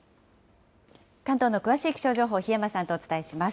関東の詳しい気象情報、檜山さんとお伝えします。